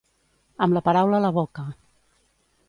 Amb la paraula a la boca.